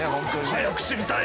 早く知りたい！